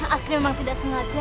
asri memang tidak sengaja